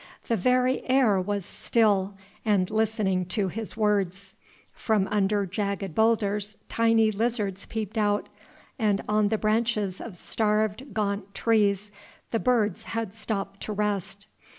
The very air was still and listening to His words; from under jagged boulders tiny lizards peeped out, and on the branches of starved, gaunt trees the birds had stopped to rest.